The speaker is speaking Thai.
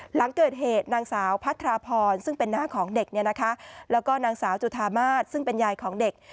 หลังเกิดเหตุนางสาวพัทราพรซึ่งเป็นหน้าของเด็กเนี่ยนะคะแล้วก็นางสาวจุธามาศซึ่งเป็นยายของเด็ก